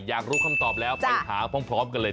อยากรู้คำตอบแล้วไปหาพร้อมกันเลย